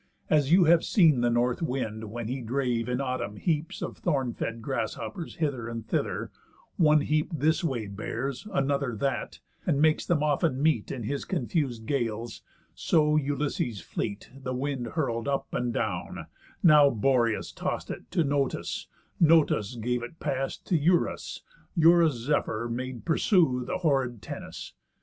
As you have seen the North wind when he drave In autumn heaps of thorn fed grasshoppers Hither and thither, one heap this way bears, Another that, and makes them often meet in his confus'd gales; so Ulysses' fleet The winds hurl'd up and down; now Boreas Toss'd it to Notus, Notus gave it pass To Eurus, Eurus Zephyr made pursue The horrid tennis.